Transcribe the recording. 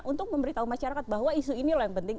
untuk memberitahu masyarakat bahwa isu ini loh yang penting